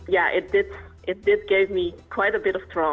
jadi ya itu memberi saya agak sedikit trauma